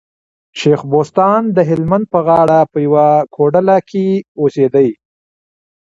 شېخ بستان د هلمند په غاړه په يوه کوډله کي اوسېدئ.